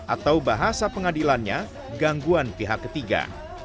atau bahasa pengadilannya gangguan pihak ketiga